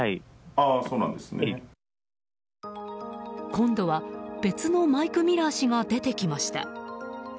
今度は別のマイク・ミラー氏が出てきました。